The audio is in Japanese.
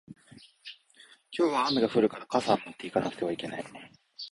今日は雨が降るから傘を持って行かなくてはいけない